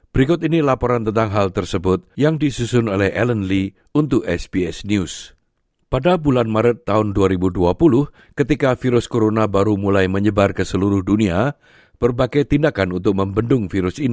berikut ini laporan tentang hal tersebut yang disusun oleh alan lee untuk sbs news